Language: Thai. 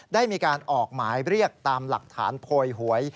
ได้มีการออกหมายเรียกตามหลักฐานโพยหวย